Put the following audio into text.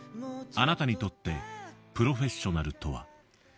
「あなたにとってプロフェッショナルとは？」。